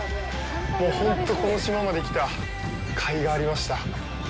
もうほんと、この島まで来たかいがありました。